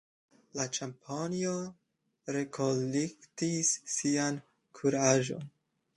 La ĉampiono rekolektis sian kuraĝon.